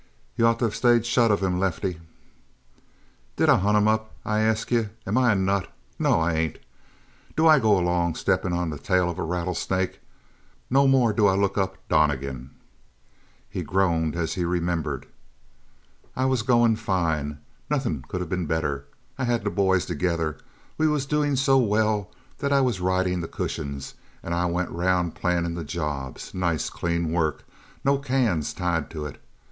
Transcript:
"You ought to of stayed shut of him, Lefty." "Did I hunt him up, I ask you? Am I a nut? No, I ain't. Do I go along stepping on the tail of a rattlesnake? No more do I look up Donnegan." He groaned as he remembered. "I was going fine. Nothing could of been better. I had the boys together. We was doing so well that I was riding the cushions and I went around planning the jobs. Nice, clean work. No cans tied to it.